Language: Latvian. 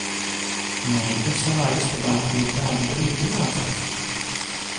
Meita savā istabā arī kādu brīdi mācās.